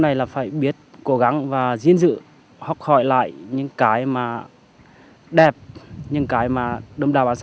đã có khoảng hơn một dân